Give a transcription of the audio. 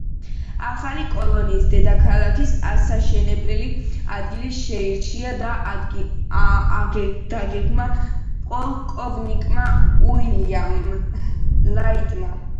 ახალი კოლონიის დედაქალაქის ასაშენებელი ადგილი შეირჩა და დაგეგმა პოლკოვნიკმა უილიამ ლაიტმა.